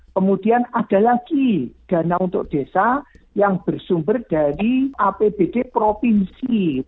kemudian ada lagi dana untuk desa yang bersumber dari apbd provinsi